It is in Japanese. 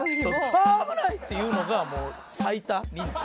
「ああ危ない！」っていうのがもう最多人数。